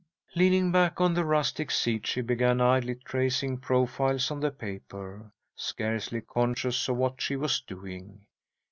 Leaning back on the rustic seat, she began idly tracing profiles on the paper, scarcely conscious of what she was doing.